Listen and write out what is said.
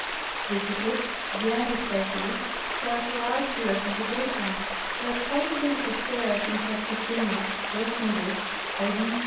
" This eclipse, the end especially, fell throughout Europe in the daytime, but having been observed at Carthagena, West Indies, by D.